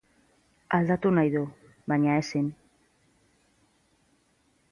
Aldatu nahi du, baina ezin.